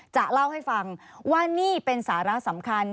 จะเล่าให้ฟังว่านี่เป็นสาระสำคัญ